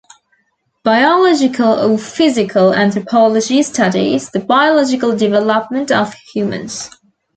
Biological or physical anthropology studies the biological development of humans.